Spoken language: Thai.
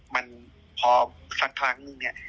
มันพอครั้งนึงเนี่ย